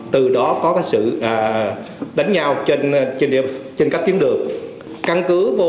từ đó có sự đánh nhau trên các kiến đường